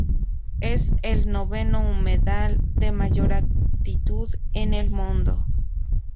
Es el noveno humedal de mayor altitud en el mundo.